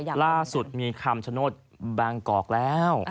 ล่าสุดมีคำชโนธบางกอกแล้ว